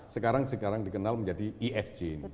sekarang sekarang dikenal menjadi esg ini